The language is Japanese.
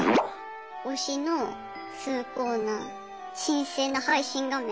推しの崇高な神聖な配信画面